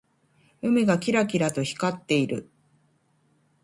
海がキラキラと光っている。